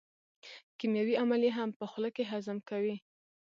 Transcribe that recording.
کیمیاوي عملیې هم په خوله کې هضم کوي.